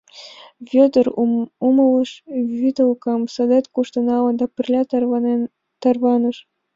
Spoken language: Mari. Вӧдыр умылыш, вӱдылкам садет кушто налын, да пырля тарваныш.